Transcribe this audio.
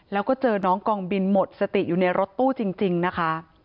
แล้วก็เจอน้องกองบินหมดสติอยู่ในรถตู้จริงนะคะ